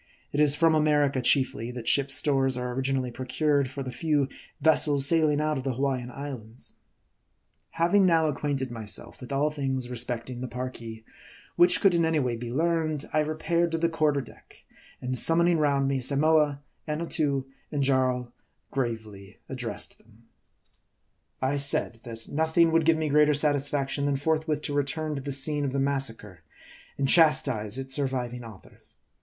It is from America chiefly, that ship's stores are originally pro cured for the few vessels sailing out of the Hawaiian Islands. Having now acquainted myself with all things respecting the Parki, which could in any way be learned, I repaired to ' the quarter deck, and summoning round me Samoa, Annatoo, and Jarl, gravely addressed them. MARDI. 117 I said, that nothing would give me greater satisfaction than forthwith to return to the scene of the massacre, and chastise its surviving authors.